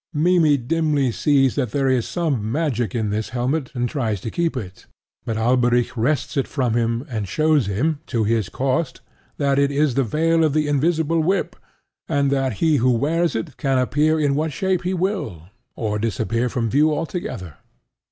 Mimmy dimly sees that there is some magic in this helmet, and tries to keep it; but Alberic wrests it from him, and shows him, to his cost, that it is the veil of the invisible whip, and that he who wears it can appear in what shape he will, or disappear from view altogether.